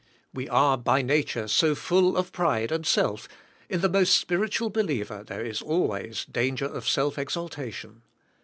We are, by nature, so full of pride and self in the most spiritual believer there is always danger of self exaltation.